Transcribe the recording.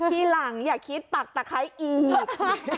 ทีหลังอย่าคิดปักตะไคร้อีก